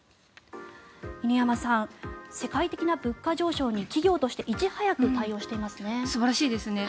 犬山さん、世界的な物価上昇に企業としていち早く素晴らしいですね。